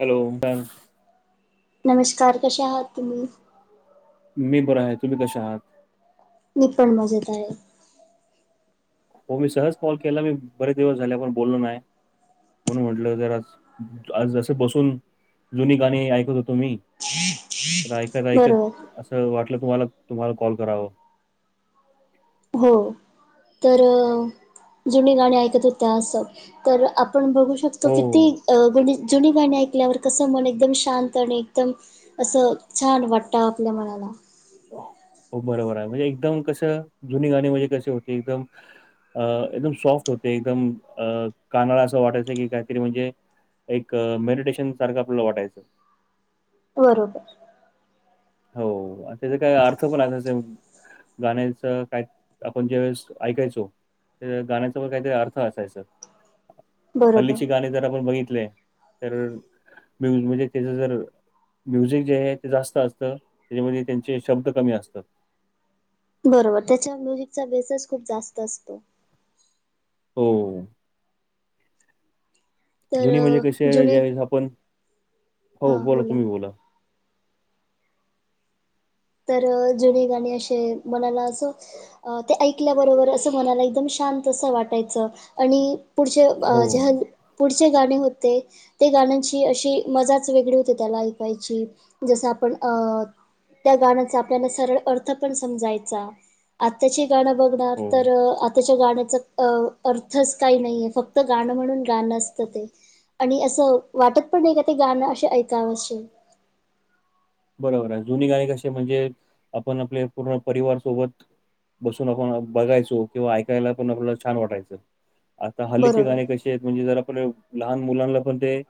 Hello! नमस्कार कशा आहात तुम्ही? मी बरं हाय तुम्ही कशा आहात? मी पण मजेत आहे. हो मी सहज कॉल केला मी बरेच दिवस झाले आपण बोललो नाय म्हणून म्हटलं जरा आज आज असं बसून जुनी गाणी ऐकत होतो मी तर ऐकत ऐकत बरोबर असं वाटलं तुम्हाला तुम्हाला कॉल कराव. हो तर जुनी गाणी ऐकत होत्या असं तर आप आपण बघू शकतो हो किती गुणी जुनी गाणी ऐकल्यावर कसं मन एकदम शांत आणि एकदम असं छान वाटतं आपल्या मनाला. हो बरोबर आहे म्हणजे एकदम कस जुनी गाणी म्हणजे कसे होती एकदम अ एकदम सॉफ्ट होते एकदम अ कानाला अस वाटायचं की काहीतरी म्हणजे एक मेडिटेशन सारखं आपल्याला वाटायचं. बरोबर. हो त्याचा काय अर्थ पण असायचा गाण्याच काय आपण ज्या वेळेस ऐकायचो त्या गाण्याचा पण काहीतरी अर्थ असायचा, बरोबर हल्लीची गाणी जर आपण बघितले तर म्यूज म्हणजे त्याचं जर म्युझिक जे आहे ते जास्त असतं त्याच्यामध्ये त्यांचे शब्द कमी असतात. बरोबर त्याच्या म्युझिकचा बेसच खूप जास्त असतो. हो. तर जुनी म्हणजे अ, कसे आहे जुने जे आपण, हो बोला तुम्ही बोला. तर जुनी गाणी अशी आहेत मनाला असं अ ते ऐकल्याबरोबर असं मनाला एकदम शांत असं वाटायचं, आणि पुढचे हो. जे पुढचे गाणे होते ते गाण्यांची अशी मजाच वेगळी होती त्याला ऐकायची, जसं आपण अ त्या गाण्याचा आपल्याला सरळ अर्थ पण समजायचा, आत्ताची गाणं बघणार हो तर त्याच्या गाण्याचा अ अर्थच काही नाहीये, फक्त गाणं म्हणून गाणं असतं ते. आणि असं, वाटत पण नाही का ते गाणं ऐकावं अशे. बरोबर आहे, जुनी गाणी कशी म्हणजे, आपण आपले पूर्ण परिवारसोबत बसून आपण बघायचो, किंवा ऐकायला पण आपल्याला छान वाटायचं, आता हल्लीचे बरोबर, गाणे कशी म्हणजे जर आपलं, लहान मुलांना पण ते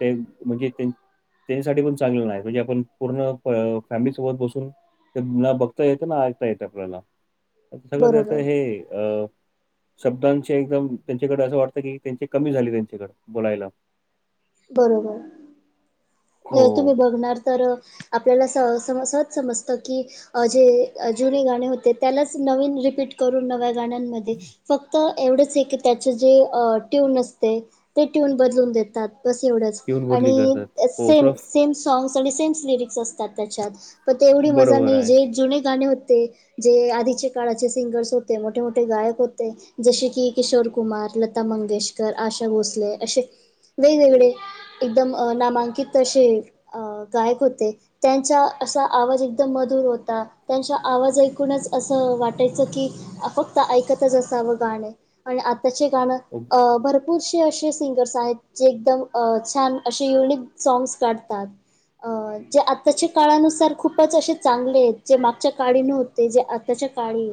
ते म्हणजे त्यांसाठी पण चांगले नाही, म्हणजे आपण पूर्ण फॅमिली सोबत बसून, ते ना बघता येतं, ना ऐकता येतं आपल्याला. सगळं बरोबर, त्याचं हे अ शब्दांचे एकदम, त्यांच्याकडे असं वाटत की त्यांचे कमी झालेलेयत शब्द, त्यांच्याकडे बोलायला. बरोबर,, हो. जर तुम्ही बघणार तर आपल्याला असं सम सहज समजतं की अ जे जुने गाणे होते, त्यालाच नवीन रिपीट करून नव्या गाण्यांमध्ये, फक्त क्तत एवढंच आहे की त्याचे जे ट्यून असते, ते ट्यून बदलून देतात. बस एवढंच,, ट्यून बदली आणि करतात. हो सेम थोडं सेम सॉग्स आणि सेंम लिरिक्स असतात त्याच्यात, पण तेवढी मजा बरोबर नाही आहे. जे जुने गाणे होते जे आधीचे काळाचे सिंगर्स होते, मोठे मोठे गायक होते. जसे की किशोर कुमार, लता मंगेशकर, आशा भोसले, अशे वेगवेगळे, एकदम नामांकित अशे, अ गायक होते. त्यांचा, असा आवाज एकदम मधुर होता. त्यांचा आवाज ऐकूनच असं वाटायचं की, अ फक्त ऐकतच असावं गाणे. आणि आताचे गाणं, अ भरपूरसेे असे सिंगर्स आहेत जे एकदम अ छान असे युनिक सॉग्स काढतात. अ जे आत्ताच्या काळानुसार खूपच असे चांगले आहेत, जे मागच्या काळी नव्हं ते जे आताच्या काळी,,,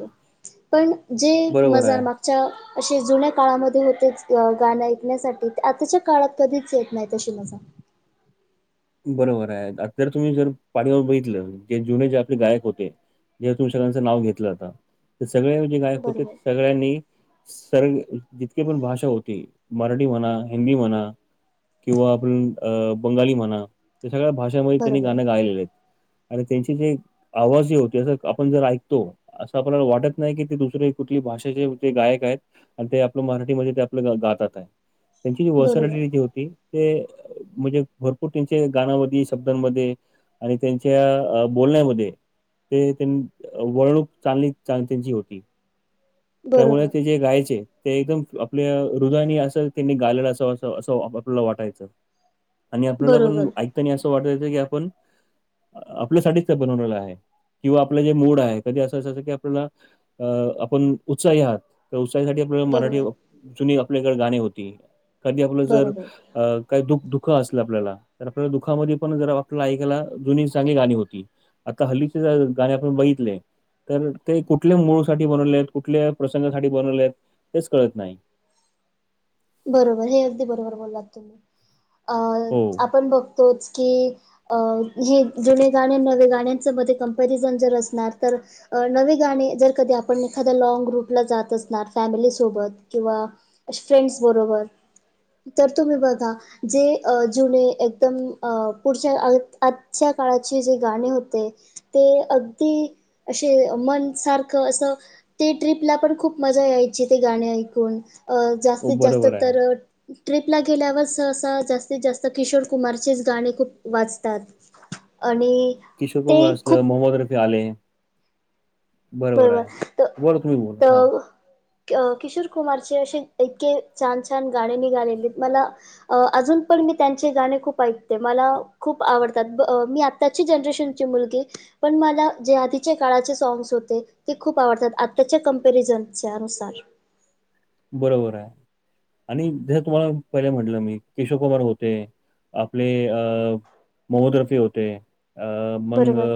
पण जे बरोबर मजा आहे. माग च्या, अशा जुन्या काळामध्ये होतेच गाणं ऐकण्यासाठी, ते आताच्या काळात कधीच येत नाही तशी मजा. बरोबर आहे,, आता जर तुम्ही जर पाठीमागे बघितलं, जे जुने जे आपले गायक होते जे तुम्ही सगळ्यांचं नाव घेतलं आता, ते सगळे जे गायक होते बरोबर सगळ्यांनी,, सर् जितके पण भाषा होते, मराठी म्हणा हिंदी म्हणा किंवा आपण अ बंगाली म्हणा, या सगळ्या भाषांमध्ये त्यांनी बरोबर गाणं गायलेले आहेत. आणि त्यांचे जे, आवाज जे होते,, आपण जर ऐकतो असं आपल्याला वाटत नाही की ते दुसरे कुठली भाषेचे जे गायक आहेत. आणि ते आपलं मराठीमध्ये ते आपलं गातात आहे‌. त्यांची जी बरोबर वसरलेली जी होती, ते म्हणजे भरपूर त्यांच्या गानामध्ये, शब्दांमध्ये, आणि त्यांच्या बोलण्यामध्ये ते त्यां वळणूक चांगली त्यांची होती. त्यामुळे बरोबर ते जे गायचे ते एकदम आपल्या हृदयानी असं त्यांनी गालेलं असंं, असं आपल्याला वाटायचं. आणि आपल्यांला पणं बरोबर ऐकतांना असं वाटायचं की आपणं आपल्यांसाठीचं त्यां बणवलेलं आहे किंवा आपलं जे मूडं आहे कधीं असं असंं की आपल्यांला अं आपणं उत्साही आहांत तरं उसाहीसांठी आपल्यां मराठी बरोबर जुंनी आपल्यांकडे गांणी होती कधीं आपलं बरोबर जरं कांहीं दुःख दुःख असलं आपल्यांला तरं आपल्यांला दुःखामध्यें पणं जे आपल्यांला ऐकांयला जुंनी चांगली गांणी होती आंता हलीचे गांणी आपणं बघितलेय तरं ते कुठल्यां मूळं साठी बनवले आहेतं कुठल्यां प्रसंगासाठी बनवले आहेतं तेचं कळतं नाहीं बरोबर हे अगदीं बरोबर बोललांत तुम्हीं अं हो. आपणं बघतोच की अं जुंने गांणे नवे गाण्यांचे मध्यें कंपॅरिझन जरं असणारं अं नवी गांणी जरं कधीं आपणं एखादांया लँग रूंटला जातं असणारं फॅमिलीसोबतं किंवा फ्रेंड्स बरोबर तरं तुम्हीं बघां अं जुंने अं पुढच्यां आंजच्या काळांचे जे गांणे होते ते अगदीं असे मनं सारखं असं ते ट्रिपला पणं खूंप मजां यांयची ते गांणे ऐकूंन अं हो, जास्तीत जास्तं बरोबर आहे. तरं ट्रिपला गेल्यांवर सं जास्तीत जास्तं किशोर कुमारचेचं गांणे खूंप वाचतांत आणि किशोर कुमार असलं खूप मोहम्मद रफी आले बरोबर बरं तुम्ही बोला. हां, तरं किशोर कुमारचे असे इतके छांन छांन गांणे नी घालेले मलां अजूंन पणं मी त्यांचे गांणे खूंप ऐकते मलां खूंप आवडतांत मी आं त्यांची जनरेशनचे मुलंगे पणं मलां जे आधीचे काळांचे सँगस होते ते खूंप आवडतांत आंताच्यां कंपॅरिझनच्यां नुसार बरोबर आहे आणि जसं तुम्हांला पहिले म्हटलं मी केशव कुमार होते आपले अं मोहमद रफी होते अं मंग बरोबर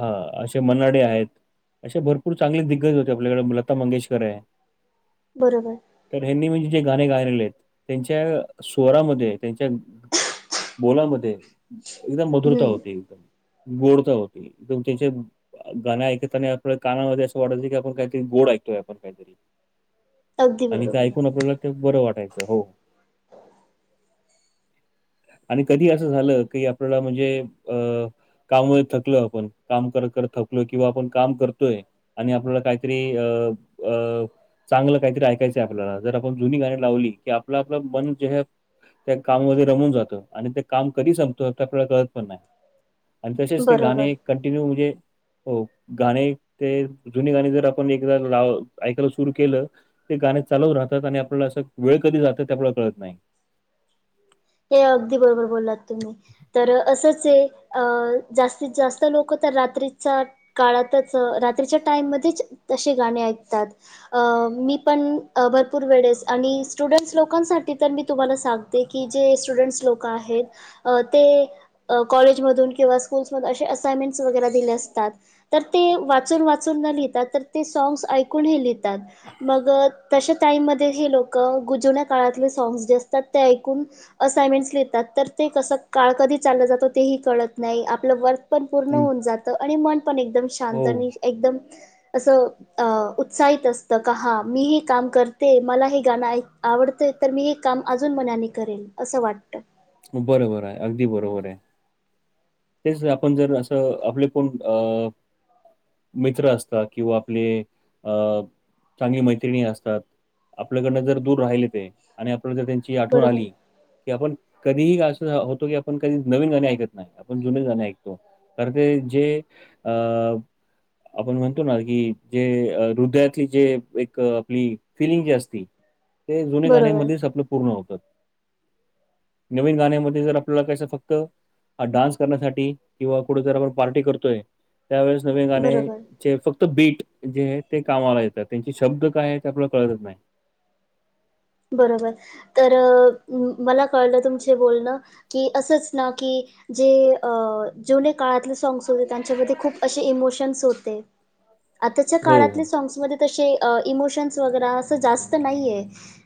हां असे मनाडे आहेतं असे भरंपूर चांगले दिग्गंज आपल्यांकडें लतां मंगेशकर आहे बरोबर तरं हनी म्हणजे जे गांणे गायलेले आहेतं त्यांच्या स्वंरामध्ये त्यांच्या बोलां मध्यें यांच्याने मधुरतां हम्म होती एकदंम गोडंता होती तुमचे गांण ऐकतांना आपल्यां कानांमध्यें असं की आपणं कांहींतरी ऐकतोय आपणं कांहींतरी अगदी आणि ते बरोबर ऐकूंन आपल्यांला बरं वाटायचं हो हो आणि कधीं असं झालं की आपल्यांला म्हणजे अं कामं मुळे थकलं आपणं कामं करतं करतं करं थकं किंवा आपणं कामं करतोय आणि आपल्यांला कांहींतरी अं अं चांगलं कांहींतरी ऐकायचंय आपल्यांला जरं आपणं जुंनी गांणी लावली की आपलं आपलं मनं जे हे त्यां कामांमध्यें जातं आणि ते कामं संपतो आपल्यांला कळतं पणं नाहीं आणि तसेच ते बरोबर गांणे कंटिन्यू म्हणजे गांणे ते जुंनी गांणी जरं आपणं एकदां लावं ऐकां सुरूं केलं ते गांणं चालवूंन राहतांत आणि आपल्यांला असं वेळं कधीं जातांत ते आपल्यांला कळतं नाहीं हे अगदीं बरोबर बोललांत तुम्हीं तरं असंच एक अं जास्तीत जास्तं लोकं तरं रात्रीचां काळांतचं रात्रीच्यां टाईम मध्येचं ते गांणे ऐकतांत अ मी पण अ भरपूर वेळेस, आणि स्टुडंट्स लोकांसाठी तर मी तुम्हाला सांगते की, जे स्टुडंट्स लोकं आहेत अ ते अ कॉलेजमधून किंवा स्कूल्समधून अशे असायमेंट्स वगैरे दिले असतात तर ते वाचून वाचून न लिहिता, तर ते सॉंग्स् ऐकून ही लिहितात. मग तशा टाईम मध्ये हे लोक गु जुण्या काळातले सॉंग्स् जे असतात ते ऐकून असायमेंट्स लिहीतात. तर ते कसं काळ कधी चाललं जातं, तेही कळत नाही. आपलं वर्क पण पूर्ण हं, होऊन जात. आणि मन पण एकदम शांत, हो. आणि एकदम असं अ उत्साहित असतं का हा, मी हे काम करते, मला हे गानं ऐक् आवडते. तर मी हे काम अजून मनाने करेल, असं वाटतं. बरोबर आहे. अगदी बरोबर आहे. तेच, आपण जर असं, आपले कोण अ मित्र असतात, किंवा आपले अ चांगली मैत्रीणी असतात आपल्याकडनं जर दूर राहिले ते, आणि आपल्याला जर त्यांची आठवण बरोबर आली की आपण कधीही असं होतो की, आपण कधी नवीन गाणी ऐकत नसतात. आपण जुने जाण ऐकतो, कारन ते जे अ आपण म्हणतो ना की जे हृदयातली जे एक आपली फिलिंग जे असती ते जुने गाने बरोबर मधेचं आपलं पूर्ण होतात. नवीन गाण्यामध्ये जर आपल्याला कशे फक्त अ डान्स करण्यासाठी, किंवा कुठं जर आपण पार्टी करतोय, त्यावेळेस नवीन गाने बरोबर ते फक्त बीट जे आहे ते कामावला येतात. त्यांचे शब्द काय आहे, ते आपल्याला कळतच नाही. बरोबर. तर मला कळलं तुमचे बोलणं, की असंच न की जे अ जुने काळातले. साॅग्स् होते, त्यांच्यामध्ये खूप असे इमोशन्स होते. [inaudible] आताच्या हो काळातले हो सॉंग्समध्ये तशे अ इमोशन्स वगैरा असं जास्त नाहीये.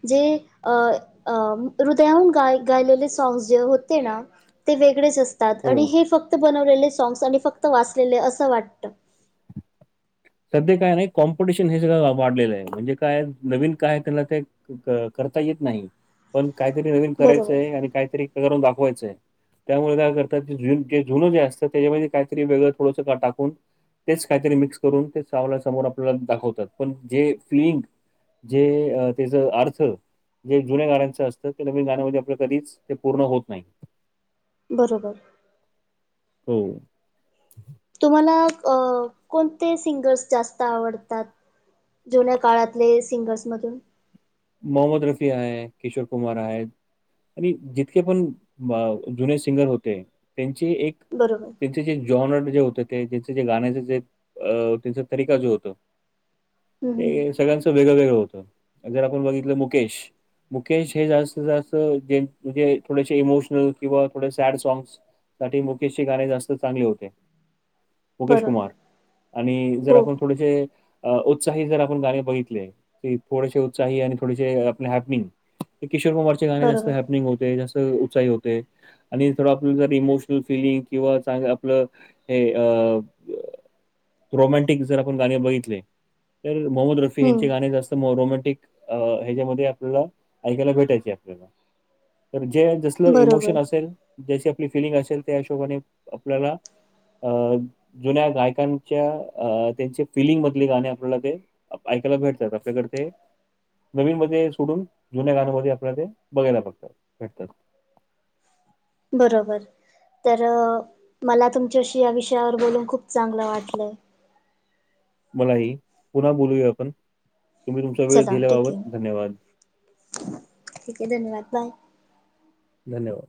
जे अ.. अ.. हृदयाहून गाय गायलेले साॅग्स जे होते ण ते वेगळेच असतातं. आणि हो. हे फक्त बनवलेले सॉग्स आणि फक्त वाचलेले, असं वाटत सध्या काय नाही कॉम्पूटिशन हे सगळं अ वाढलेलं आहे. म्हणजे काय, नवीन काय, त्यांना ते क करता येत नाही, पण काहीतरी नवीन बरोबर करायचंय, आणि काहीतरी करून दाखवायचंय त्यामुळे काय करताते जुन् जुनं जे असतं, त्याच्यामध्ये काहीतरी वेगळं थोडंसं का टाकून तेच काहीतरी मिक्स करून ते पावला समोर आपल्याला दाखवतात. पण जे फिईंग जे अ त्याच अर्थ जे जुन्या गाण्यांचं असतं, ते नविन गाण्यामध्ये आपलं कधीच, ते पूर्ण होत नाही. बरोबर. हम्म. तुम्हाला अ कोणते सिंगर्स जास्त आवडतात? जुन्या काळातले सिंगर्स मधून मोहम्मद रफि आहे.. किशोर कुमार आहे. आणि जितके पण अ जुनेर सिंगर होते त्यांची एक बरोबर. त्यांचे जे जॉनट जे होते ते, त्यांच जे गाण्याचे जे अ त्यांचा तरीका जो होतं हम्म हम्म ते सगळ्यांचं वेगळं वेगळं होतं. जर आपण बघितलं मुकेश मुकेश हे जास्त जास्त, म्हणजे थोडेसे इमोशनल, किंवा थोडे सॅड सॉग्स साठी मुकेश चे गाणे जास्त चांगले होते. मुकेश बरोबर कुमार, आणि जर हो आपण थोडेसे अ उत्साही जर आपण गाणे बघितले, तै थोडशे त्साही आणि थोडेसे अ आपले हॅपनिंग, किशोर कुमारचे गाणे जास्त बरोबर हॅपनिंग होते, जास् उचाई होते आणि थोडं आपल जर इमोशनल फिलिंग किंवा चांगल आपल हे अ रोमॅटिक जर आपण गाणे बघितले तर मोहम्मद रफी यांचे हम्म गाणे जास्त रोमॅटिक अ ह्याच्यामध्ये आपल्याला ऐकायला भेटायचे आपल्याला तर जे [unintelligible] बरोबर. इमोशन असेल ज्याची आपली फिलिंग असेल त्या हिशोबाने आपल्याला अ जुन्या गायकांच्या अ त्यांचे फिलिंगमधले गाणे आपल्याला ते [unintelligible] ऐकायला भेटतात आपल्याकडं ते नवीन मध्ये सोडून जुन्या गाण्यामध्ये आपल्याला ते बघतात [inaudible] भेटतात बरोबर तर मला तुमच्याशी या विषयावर बोलून खूप चांगल वाटलं मलाही पुन्हा बोलूया आपण तुम्ही तुमचा वेळ चला ठीक दिेल्याबाबत आहे धन्यवाद ठीक आहे धन्यवाद बाय धन्यवाद